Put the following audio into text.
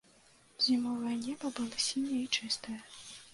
Зімовае неба было сіняе і чыстае.